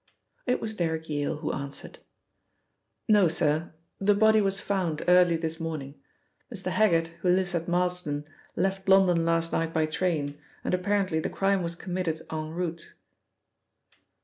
It was Derrick Yale who answered. "No, sir; the body was found early this morning. Mr. Heggitt, who lives at Marsden, left London last night by train, and apparently the crime was committed en route."